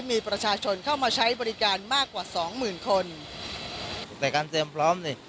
มีประชาชนเข้ามาใช้บริการมากกว่าสองหมื่นคนแต่การเตรียมพร้อมนี่